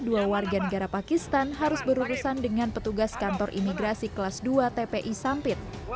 dua warga negara pakistan harus berurusan dengan petugas kantor imigrasi kelas dua tpi sampit